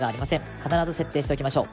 必ず設定しておきましょう。